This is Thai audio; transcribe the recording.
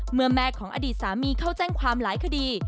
แม่ของอดีตสามีเข้าแจ้งความหลายคดี